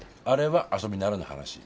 あれは遊びならの話。